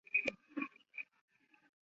糙葶北葱是葱科葱属的变种。